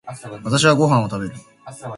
私はご飯を食べる。